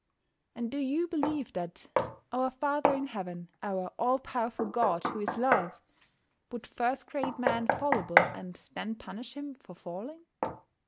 And do you believe that "our Father in Heaven, our All powerful God, who is Love," would first create man fallible, and then punish him for falling?